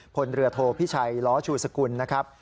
พลเรือโทพิชัยล้อชูสกุลนะครับ